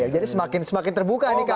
jadi semakin terbuka nih kak